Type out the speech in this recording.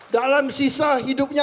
dalam sisa hidupnya